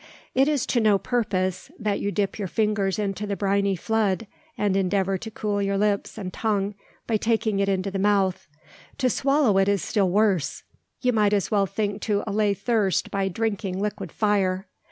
It is to no purpose, that you dip your fingers into the briny flood, and endeavour to cool your lips and tongue by taking it into the mouth. To swallow it is still worse. You might as well think to allay thirst by drinking liquid fire.